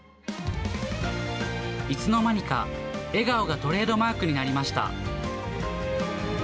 いつのまにか笑顔がトレードマークになりました。